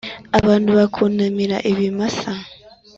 abantu bakunamira ibimasa!